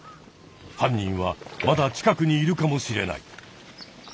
犯人はまだ近くにいるかもしれない。